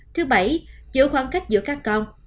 thứ bảy giữ khoảng cách giữa các con